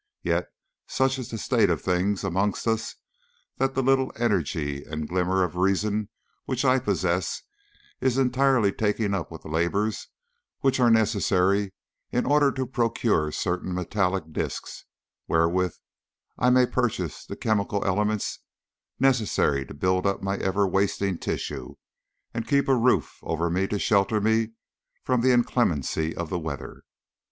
Yet such is the state of things amongst us that the little energy and glimmering of reason which I possess is entirely taken up with the labours which are necessary in order to procure certain metallic disks, wherewith I may purchase the chemical elements necessary to build up my ever wasting tissues, and keep a roof over me to shelter me from the inclemency of the weather.